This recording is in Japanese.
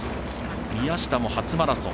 宮下も初マラソン。